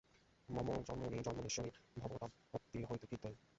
মম জন্মনি জন্মনীশ্বরে ভবতাদ্ভক্তিরহৈতুকী ত্বয়ি।